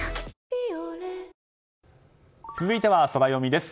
「ビオレ」続いてはソラよみです。